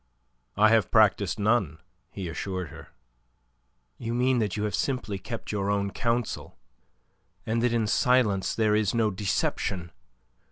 "I have practised none," he assured her. "You mean that you have simply kept your own counsel, and that in silence there is no deception.